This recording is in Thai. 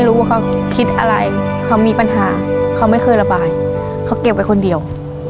รู้ว่าเขาคิดอะไรเขามีปัญหาเขาไม่เคยระบายเขาเก็บไว้คนเดียว